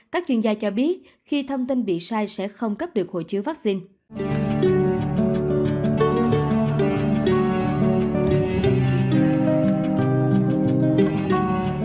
các chuyên gia cho biết khi thông tin bị sai sẽ không cấp được hồ chứa vaccine